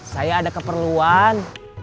saya ada keperluan